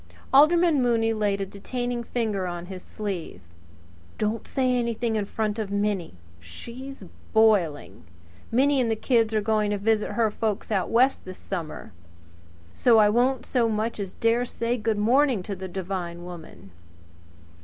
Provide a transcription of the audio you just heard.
Alderman Mooney laid a detaining finger on his sleeve. "Don't say anything in front of Minnie! She's boiling! Minnie and the kids are going to visit her folks out West this summer; so I wouldn't so much as dare to say 'Good morning!' to the Devine woman.